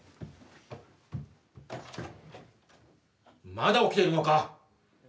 まだ起きてるのか！